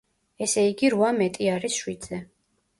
ესე იგი რვა მეტი არის შვიდზე.